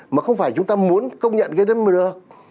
mà không phải chúng ta muốn công nhận cái đất nước